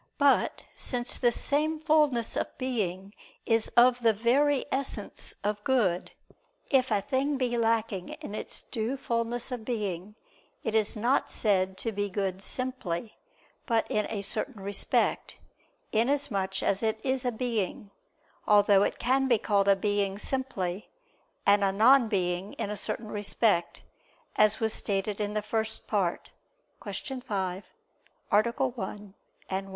But since this same fulness of being is of the very essence of good, if a thing be lacking in its due fulness of being, it is not said to be good simply, but in a certain respect, inasmuch as it is a being; although it can be called a being simply, and a non being in a certain respect, as was stated in the First Part (Q. 5, A. 1, ad 1).